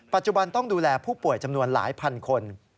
ปัจจุบันต้องดูแลผู้ป่วยจำนวนหลายพันคน